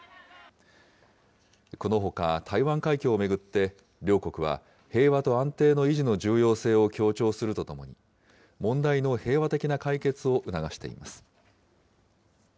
このほか台湾海峡を巡って、両国は平和と安定の維持の重要性を強調するとともに、問題の平和的な解決を促しています。